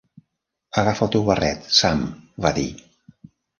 "Agafa el teu barret, Sam", va dir.